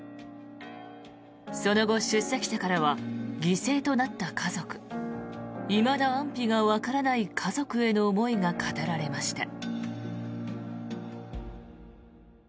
その後、出席者からは犠牲となった家族いまだ安否がわからない家族への思いが語られました。